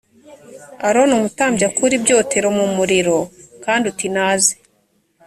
aroni umutambyi akure ibyotero mu muriro kandi uti naze